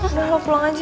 udah lo pulang aja